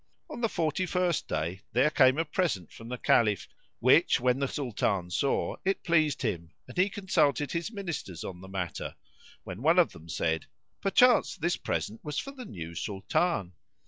On the forty first day there came a present from the Caliph; which when the Sultan saw, it pleased him and he consulted his Ministers on the matter, when one of them said, "Perchance this present was for the new Sultan."